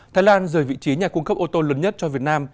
thái lan rời vị trí nhà cung cấp ô tô lớn nhất cho việt nam